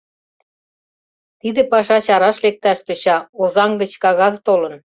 Тиде паша чараш лекташ тӧча, Озаҥ гыч кагаз толын.